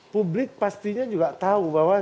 publik pastinya juga tahu bahwa